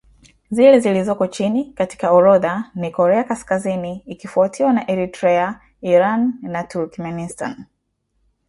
zile zilizoko chini katika orodha ni Korea Kaskazini ikifuatiwa na Eritrea Iran na Turkmenistan